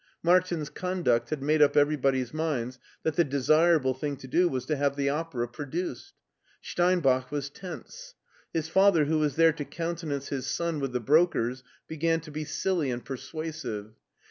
Martin's conduct had made up everybody's minds that the desirable thing to do was to have the opera pro duced. Steinbach was tense. His father, who was there to countenance his son with the brewers, began to be silly and persuasive.